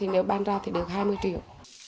nếu ban ra thì được hai mươi triệu